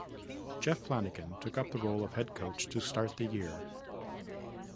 Jeff Flanagan took up the role of head coach to start the year.